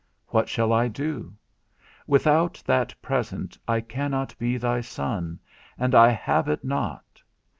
What shall I do? Without that present I cannot be thy son, and I have it not.